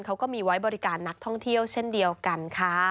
เขาก็มีไว้บริการนักท่องเที่ยวเช่นเดียวกันค่ะ